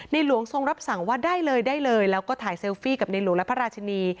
หลวงทรงรับสั่งว่าได้เลยได้เลยแล้วก็ถ่ายเซลฟี่กับในหลวงและพระราชินี